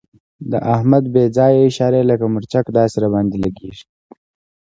د احمد بې ځایه اشارې لکه مرچک داسې را باندې لګېږي.